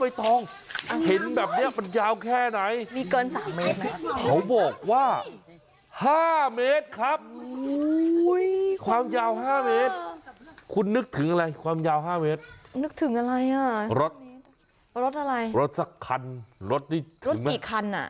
ว่ายาวเท่าไหร่